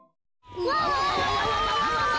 うわ！